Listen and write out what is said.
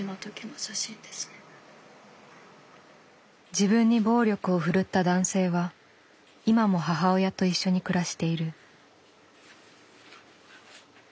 自分に暴力を振るった男性は今も母親と一緒に暮らしている。